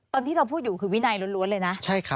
ตอนที่เราพูดอยู่คือวินัยล้วนเลยนะ